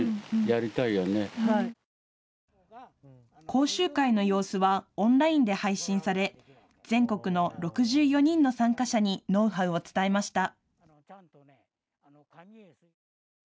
講習会の様子はオンラインで配信され全国の６４人の参加者にノウハウを伝えました。